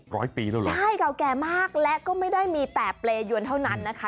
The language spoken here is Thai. ร้อยปีแล้วเหรอใช่เก่าแก่มากและก็ไม่ได้มีแต่เปรยวนเท่านั้นนะคะ